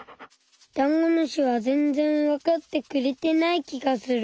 ダンゴムシは全然わかってくれてない気がする。